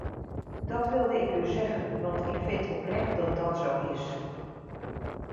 Dat wilde ik u zeggen want ik vind oprecht dat dat zo is.